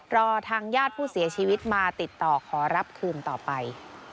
รอทางญาติผู้เสียชีวิตมาติดต่อขอรับคืนต่อไป